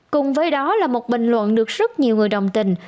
cùng với đó là một bình luận được rất nhiều người đồng tình